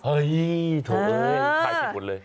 เฮ้ยถ่ายชิ้นคุณเลย